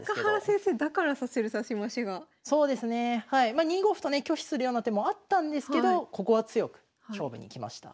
まあ２五歩とね拒否するような手もあったんですけどここは強く勝負にきました。